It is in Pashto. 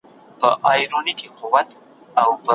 مور وویل چي ملاتړ مهم دی.